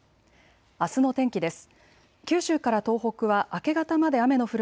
あすの天気です。